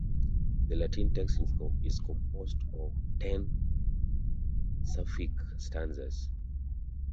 The Latin text is composed of ten Sapphic stanzas.